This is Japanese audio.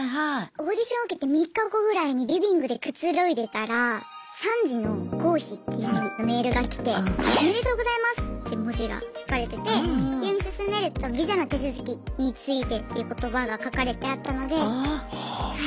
オーディション受けて３日後ぐらいにリビングでくつろいでたら「３次の合否」っていうメールが来て「おめでとうございます」って文字が書かれててで読み進めると「ビザの手続きについて」っていう言葉が書かれてあったのでは